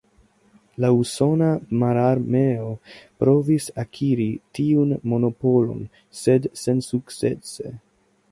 La Usona Mararmeo provis akiri tiun monopolon, sed sensukcese.